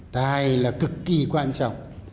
tài là cực kỳ quan trọng